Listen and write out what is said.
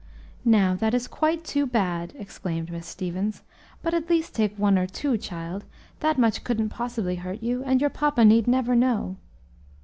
"Now, that is quite too bad," exclaimed Miss Stevens, "but at least take one or two, child; that much couldn't possibly hurt you, and your papa need never know."